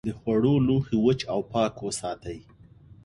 د خوړو لوښي وچ او پاک وساتئ.